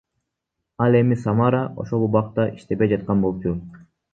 Ал эми Самара ошол убакта иштебей жаткан болчу.